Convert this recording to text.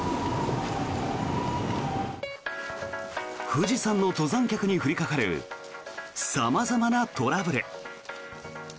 富士山の登山客に降りかかる様々なトラブル。